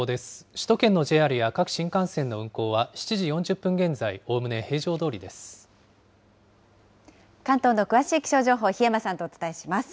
首都圏のＪＲや各新幹線の運行は７時４０分現在、おおむね平常ど関東の詳しい気象情報、檜山さんとお伝えします。